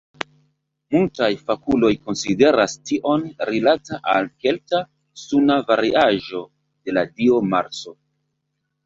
Multaj fakuloj konsideras tion rilata al kelta suna variaĵo de la dio Marso.